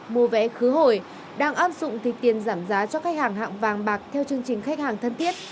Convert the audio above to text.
mua vé khứ hồi đang áp dụng thịt tiền giảm giá cho khách hàng hạng vàng bạc theo chương trình khách hàng thân thiết